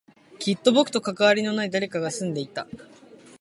きっと僕と関わりのない誰かが住んでいた